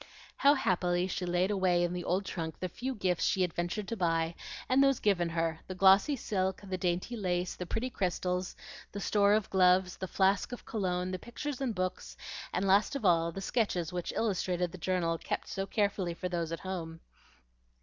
How happily she laid away in the old trunk the few gifts she had ventured to buy, and those given her, the glossy silk, the dainty lace, the pretty crystals, the store of gloves, the flask of cologne, the pictures and books, and last of all the sketches which illustrated the journal kept so carefully for those at home.